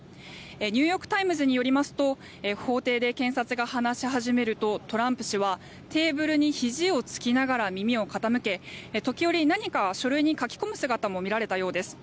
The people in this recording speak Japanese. ニューヨーク・タイムズによりますと法廷で検察が話し始めるとトランプ氏はテーブルにひじをつきながら耳を傾け時折、何か書類に書き込む姿も見られたようです。